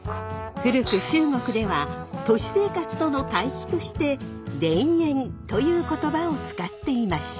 古く中国では都市生活との対比として「田園」という言葉を使っていました。